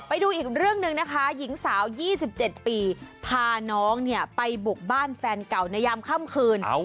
ไปดูอีกเรื่องหนึ่งนะคะหญิงสาว๒๗ปีพาน้องไปบุกบ้านแฟนเก่าในยามค่ำคืน